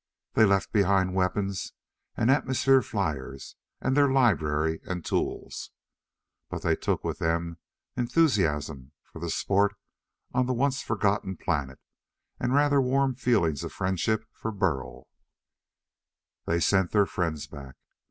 They left behind weapons and atmosphere fliers and their library and tools. But they took with them enthusiasm for the sport on the once forgotten planet, and rather warm feelings of friendship for Burl. They sent their friends back.